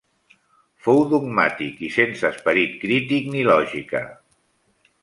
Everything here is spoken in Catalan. Fou dogmàtic i sense esperit crític ni lògica.